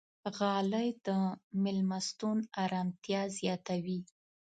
غالۍ د میلمستون ارامتیا زیاتوي.